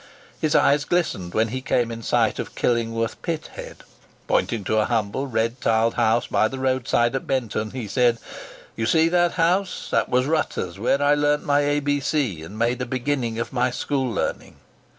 His eyes glistened when he came in sight of Killingworth pit head. Pointing to a humble red tiled house by the road side at Benton, he said, "You see that house—that was Rutter's, where I learnt my A B C, and made a beginning of my school learning.